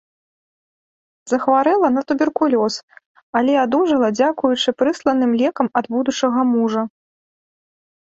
Захварэла на туберкулёз, але адужала дзякуючы прысланым лекам ад будучага мужа.